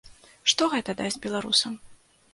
Што гэта дасць беларусам?